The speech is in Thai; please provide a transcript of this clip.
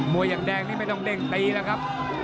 วยอย่างแดงนี่ไม่ต้องเด้งตีแล้วครับ